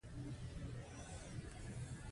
رسیدات د واردې او صادرې دفتر دی.